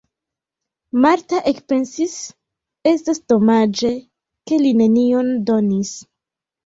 Marta ekpensis: estas domaĝe, ke li nenion donis!